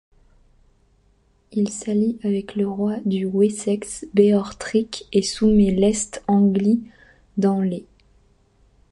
Il s'allie avec le roi du Wessex Beorhtric et soumet l'Est-Anglie dans les.